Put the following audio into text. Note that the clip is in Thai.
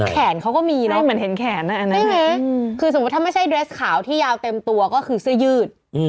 แขนเขาก็มีเนอะเหมือนเห็นแขนอันนั้นใช่ไหมคือสมมุติถ้าไม่ใช่เดรสขาวที่ยาวเต็มตัวก็คือเสื้อยืด